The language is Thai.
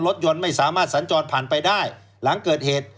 รถยนต์ไม่สามารถสัญจรผ่านไปได้หลังเกิดเหตุ